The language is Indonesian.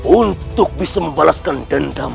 untuk bisa membalaskan dendam